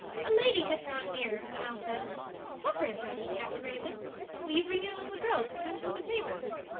A lady had drawn near, and now said, "Supper is ready, Captain Raymond; will you bring your little girls and come to the table?"